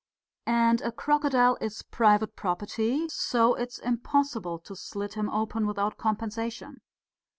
And a crocodile is private property, and so it is impossible to slit him open without compensation."